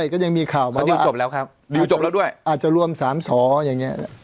ก็ยังมีข่าวว่าครับจบแล้วด้วยอาจจะรวมสามสออย่างเงี้ย